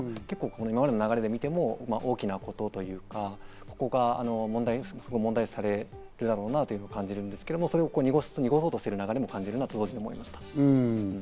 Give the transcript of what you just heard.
今までの流れで見ても大きなことというか、ここが問題視されるだろうなと感じるんですけど、それを濁そうとしてる流れも感じるなと思いました。